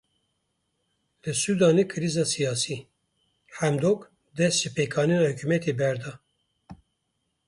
Li Sudanê krîza siyasî; Hemdok dest ji pêkanîna hikûmetê berda.